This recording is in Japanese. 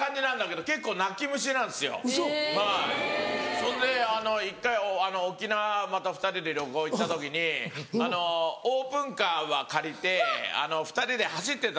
そんで１回沖縄また２人で旅行行った時にオープンカーは借りて２人で走ってたんですよ。